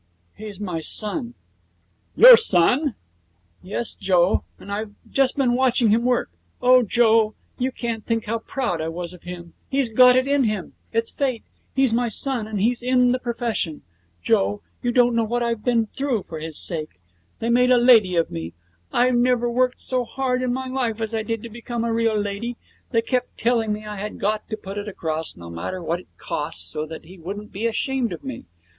'He's my son.' 'Your son?' 'Yes, Joe. And I've just been watching him work. Oh, Joe, you can't think how proud I was of him! He's got it in him. It's fate. He's my son and he's in the profession! Joe, you don't know what I've been through for his sake. They made a lady of me. I never worked so hard in my life as I did to become a real lady. They kept telling me I had got to put it across, no matter what it cost, so that he wouldn't be ashamed of me.